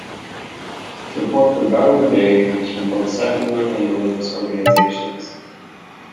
Support for Darwin Day comes from both secular and religious organisations.